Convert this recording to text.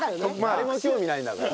誰も興味ないんだから。